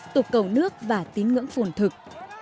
tục cầu nước và tín ngưỡng phổn thực